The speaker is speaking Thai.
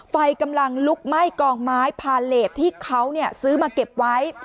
ไฟกำลังลุกไหม้กองไม้พาเลสที่เขาซื้อมาเก็บไว้